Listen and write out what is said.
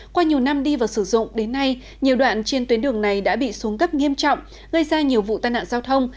qua nhiều năm đi vào sử dụng đến nay nhiều đoạn trên tuyến đường này đã bị xuống cấp nghiêm trọng gây ra nhiều vụ tai nạn giao thông